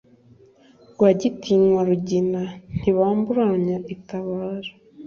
Rwagitinywa rugina ntibamburanya itabaro